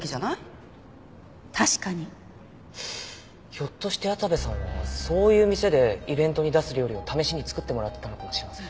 ひょっとして矢田部さんはそういう店でイベントに出す料理を試しに作ってもらってたのかもしれません。